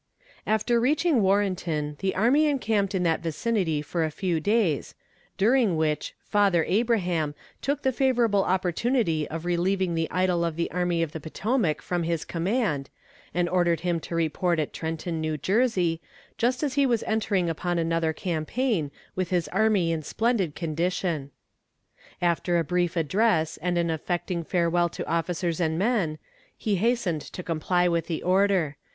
After reaching Warrenton the army encamped in that vicinity for a few days during which "Father Abraham" took the favorable opportunity of relieving the idol of the Army of the Potomac from his command, and ordered him to report at Trenton, New Jersey, just as he was entering upon another campaign, with his army in splendid condition. After a brief address and an affecting farewell to officers and men, he hastened to comply with the order.